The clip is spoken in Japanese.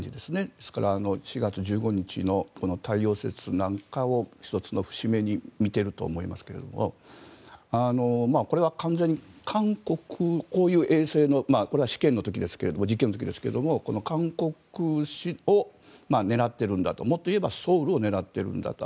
ですから４月１５日の太陽節なんかを１つの節目に見ていると思いますがこれは完全に韓国、こういう衛星のこれは実験の時ですが韓国を狙ってるんだともっと言えばソウルを狙っているんだと。